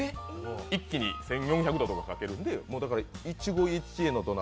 一気に１４００度とかかけるので一期一会の土鍋。